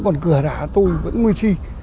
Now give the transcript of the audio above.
còn cửa đã tôi vẫn nguyên tri